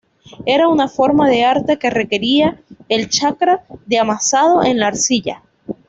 Era una forma de arte que requería el chakra de amasado en la arcilla.